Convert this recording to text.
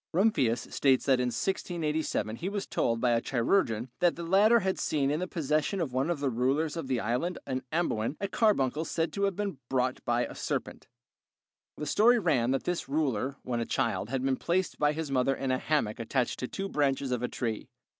Rumphius states that in 1687 he was told by a chirurgeon that the latter had seen in the possession of one of the rulers in the island of Amboin a carbuncle said to have been brought by a serpent. The story ran that this ruler, when a child, had been placed by his mother in a hammock attached to two branches of a tree.